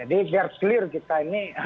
jadi biar clear kita ini